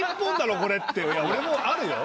俺もあるよ。